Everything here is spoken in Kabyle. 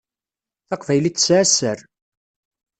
Taqbaylit tesεa sser.